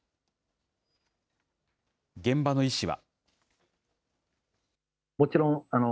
現場の医師は。